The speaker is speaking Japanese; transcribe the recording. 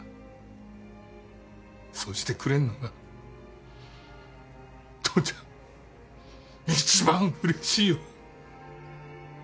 そうしてくれんのが父ちゃん一番うれしいよ。